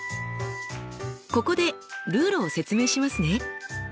ここでルールを説明しますね。